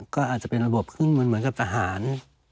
ก็อาจจะเป็นระบบขึ้นเหมือนกับทหาร